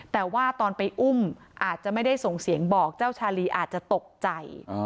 แต่ว่าตอนไปอุ้มอาจจะไม่ได้ส่งเสียงบอกเจ้าชาลีอาจจะตกใจ